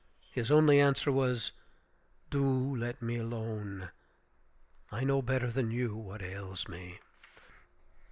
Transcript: His only answer was, "Do let me alone; I know better than you what ails me."